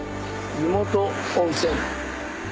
「湯本温泉」。